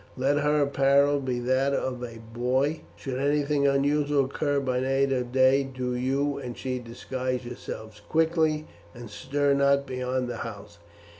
Let her apparel be that of a boy. Should anything unusual occur by night or day, do you and she disguise yourselves quickly, and stir not beyond the house.